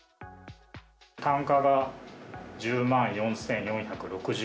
単価が１０万４４６０円。